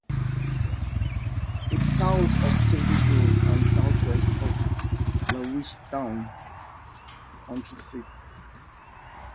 It is south of Table Grove and southwest of Lewistown, the county seat.